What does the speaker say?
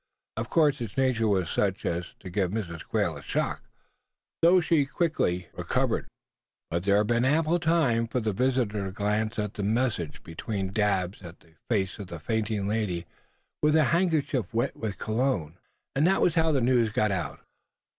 Of course its nature was such as to give Mrs. Quail a shock, though she quickly recovered; but there had been ample time for the visitor to glance at the message, between dabs at the face of the fainting lady with a handkerchief wet with cologne. And that was how the news got out.